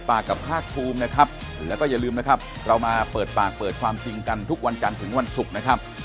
อันนั้นเรื่องสวัสดีครับ